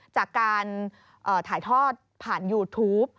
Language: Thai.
จากการถ่ายทอดผ่านยูทูป